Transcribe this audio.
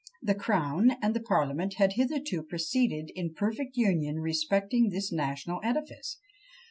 The crown and the parliament had hitherto proceeded in perfect union respecting this national edifice.